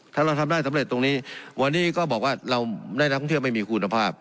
ถ้าเราทำได้สำเร็จตรงนี้วันนี้ก็บอกว่าเราได้นักท่องเที่ยวไม่มีคุณภาพ